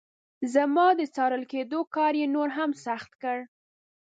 زما د څارل کېدلو کار یې نور هم سخت کړ.